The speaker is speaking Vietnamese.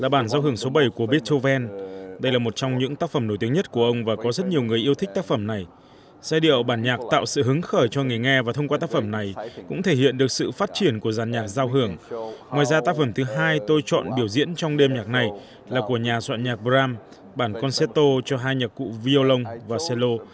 bản concerto cho hai nhạc cụ violon và solo